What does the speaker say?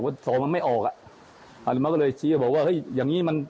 ว่าซองมันไม่ออกล่ะอรรมะก็เลยติดบอกว่าเฮ้ยอย่างงี้มัน